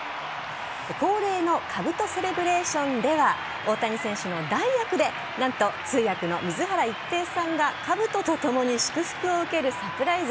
恒例のかぶとセレブレーションでは大谷選手の代役で、何と通訳の水原一平さんがかぶととともに祝福を受けるサプライズ。